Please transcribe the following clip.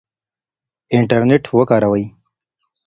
انټرنیټ وکاروئ.